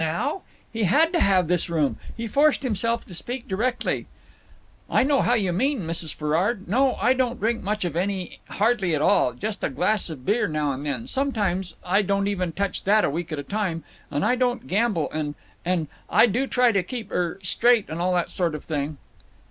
Now! He had to have this room. He forced himself to speak directly. "I know how you mean, Mrs. Ferrard. No, I don't drink much of any—hardly at all; just a glass of beer now and then; sometimes I don't even touch that a week at a time. And I don't gamble and—and I do try to keep—er—straight—and all that sort of thing."